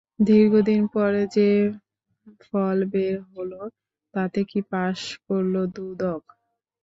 দীর্ঘদিন পর যে ফল বের হলো, তাতে কি পাস করল দুদক?